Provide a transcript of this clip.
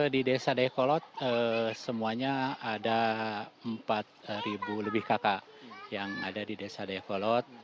di desa dayuh kolot semuanya ada empat lebih kakak yang ada di desa dayuh kolot